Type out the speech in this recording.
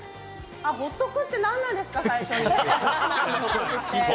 ホットクって何なんですか？